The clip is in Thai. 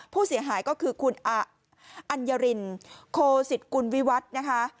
ผู้เสียหายก็คือคุณอัญรินโคสิตกุลวิวัฒน์นะคะ